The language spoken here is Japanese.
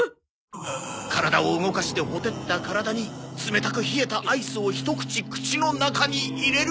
体を動かして火照った体に冷たく冷えたアイスを一口口の中に入れると。